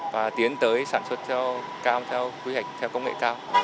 và tiến tới sản xuất rau cam theo quy hoạch theo công nghệ cao